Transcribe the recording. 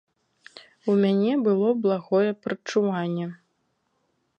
У мяне было благое прадчуванне!